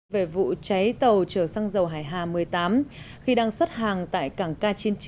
về vụ cháy tàu chở xăng dầu hải hà một mươi tám khi đang xuất hàng tại cảng k chín mươi chín